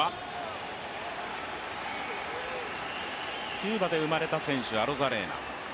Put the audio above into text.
キューバで生まれた選手、アロザレーナ。